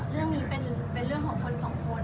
เรื่องนี้เป็นเรื่องของคนสองคน